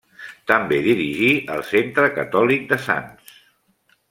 També dirigí el Centre Catòlic de Sants.